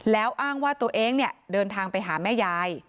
แล้วอ้างว่าตัวเองเนี่ยเดินทางไปหาแม่ยาย